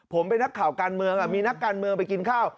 ผมเป็นนักข่าวการเมืองมีนักการเมืองไปกินข้าว